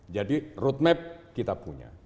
jadi root map kita punya